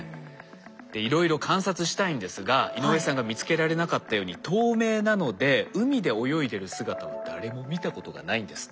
でいろいろ観察したいんですが井上さんが見つけられなかったように透明なので海で泳いでる姿は誰も見たことがないんですって。